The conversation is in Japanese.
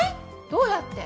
どうやって？